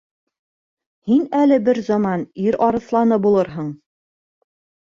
Һин әле бер заман ир арыҫланы булырһың.